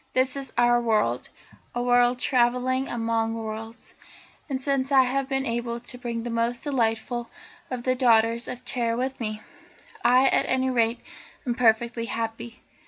This is our world, a world travelling among worlds, and since I have been able to bring the most delightful of the daughters of Terra with me, I, at any rate, am perfectly happy.